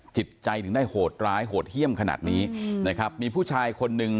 จิตใจถึงได้โหดร้ายโหดเยี่ยมขนาดนี้นะครับมีผู้ชายคนหนึ่ง